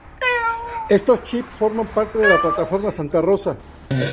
Estos chips forman parte de la plataforma Santa Rosa.